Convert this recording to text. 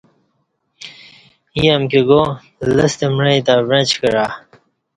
ییں امکی گا لستہ معی تہ وعݩچ کعہ